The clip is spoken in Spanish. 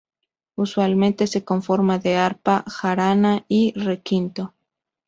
Usualmente se conforma de arpa, jarana y requinto.